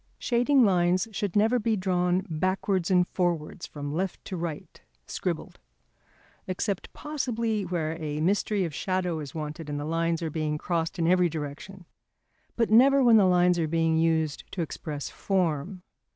Shading lines should never be drawn backwards and forwards from left to right (scribbled), except possibly where a mystery of shadow is wanted and the lines are being crossed in every direction; but never when lines are being used to express form.